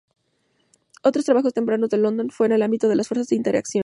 Otros trabajos tempranos de London fue en el ámbito de las fuerzas de interacciones.